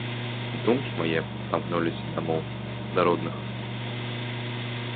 Думкі мае памкнуліся дамоў, да родных.